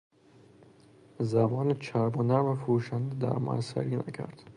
زبان چرب و نرم فروشنده در ما اثری نکرد.